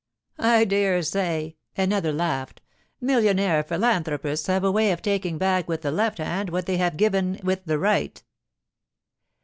'I dare say,' another laughed; 'millionaire philanthropists have a way of taking back with the left hand what they have given with the right.